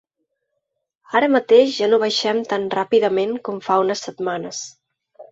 Ara mateix ja no baixem tan ràpidament com fa unes setmanes.